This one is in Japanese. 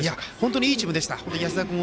本当にいいチームでした。